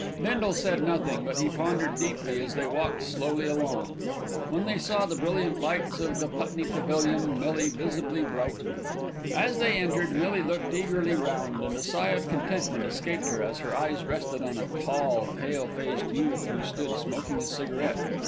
Bindle said nothing, but he pondered deeply as they walked slowly along. When they saw the brilliant lights of the Putney Pavilion Millie visibly brightened. As they entered Millie looked eagerly round, and a sigh of contentment escaped her as her eyes rested on a tall, pale faced youth who stood smoking a cigarette.